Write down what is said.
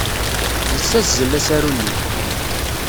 Nessazzel asaru-nni.